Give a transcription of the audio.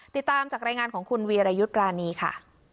ติดตามจากรายงานของคุณวีรยุทธ์ปรานีค่ะ